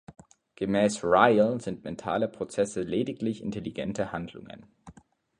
Gemäss Ryle sind mentale Prozesse lediglich intelligente Handlungen.